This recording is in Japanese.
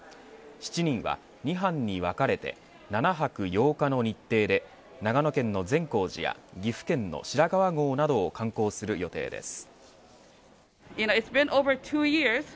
７人は２班に分かれて７泊８日の日程で長野県の善光寺や岐阜県の白川郷などを観光する予定です。